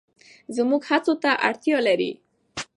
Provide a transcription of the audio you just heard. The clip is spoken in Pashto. زموږ هڅو ته اړتیا لري.